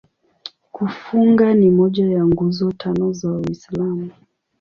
Kufunga ni moja ya Nguzo Tano za Uislamu.